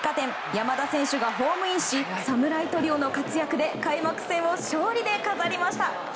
山田選手がホームインし侍トリオの活躍で開幕戦を勝利で飾りました。